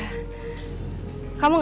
kamu gak percaya